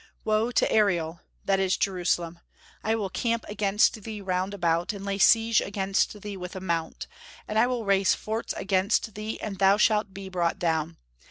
"Woe to Ariel [that is Jerusalem]! I will camp against thee round about, and lay siege against thee with a mount, and I will raise forts against thee, and thou shalt be brought down....